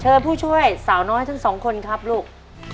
ผู้ช่วยสาวน้อยทั้งสองคนครับลูก